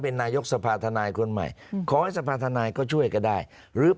ไปสภาษณภาห์ธนาคัง